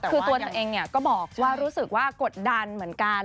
คือตัวเธอเองก็บอกว่ารู้สึกว่ากดดันเหมือนกัน